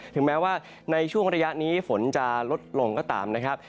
ถึงแม้ว่าในช่วงระยะนี้ฝนจะลดลงก็ตามนะครับ